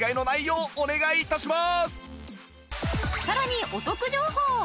さらにお得情報！